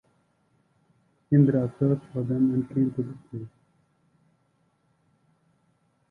Indra searched for them and came to this place.